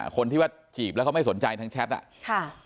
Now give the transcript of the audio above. คนที่ว่าจีบแล้วเขาไม่สนใจทางแชทอ่ะค่ะ